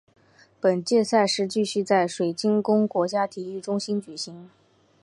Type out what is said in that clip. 本届赛事继续在水晶宫国家体育中心举行。